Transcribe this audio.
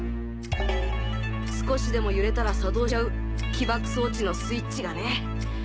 少しでも揺れたら作動しちゃう起爆装置のスイッチがね。